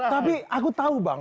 tapi aku tahu bang